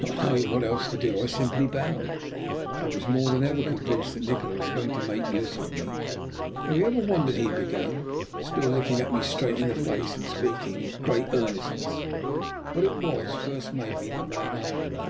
Not knowing what else to do I simply bowed. I was more than ever convinced that Nikola was going to make use of me. "Have you ever wondered," he began, still looking me straight in the face, and speaking with great earnestness, "what it was first made me the man I am?"